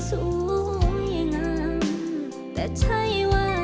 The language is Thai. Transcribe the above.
แต่ใช่ว่าจะเหมือนดังจนไม่เห็นต้องไหว